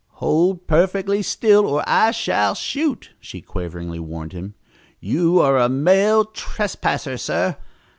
"Hold perfectly still or I shall shoot," she quaveringly warned him. "You are a male trespasser, sir!"